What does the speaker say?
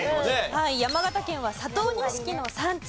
山形県は佐藤錦の産地。